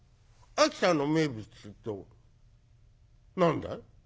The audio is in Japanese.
秋田の名物っつうと何だい？」。